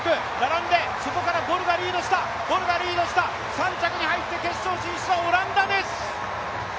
３着に入って、決勝進出はオランダです。